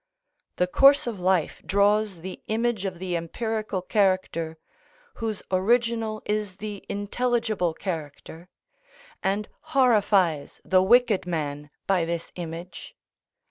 The course of life draws the image of the empirical character, whose original is the intelligible character, and horrifies the wicked man by this image.